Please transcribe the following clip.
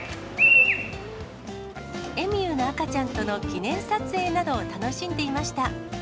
エミューの赤ちゃんとの記念撮影などを楽しんでいました。